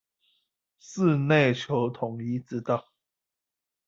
是內求統一之道